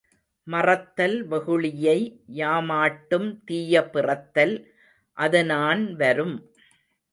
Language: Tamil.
மறத்தல் வெகுளியை யாமாட்டும் தீய பிறத்தல் அதனான் வரும்.